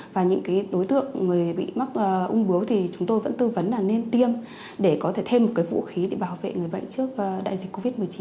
và những đối tượng bị ung bướu thì chúng tôi vẫn tư vấn là nên tiêm để có thể thêm một vũ khí để bảo vệ người bệnh trước đại dịch covid một mươi chín